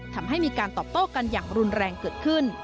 ทำให้มีการตอบโต้กันอย่างรุนแรงเกิดขึ้น